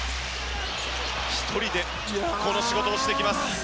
１人でこの仕事をしてきます！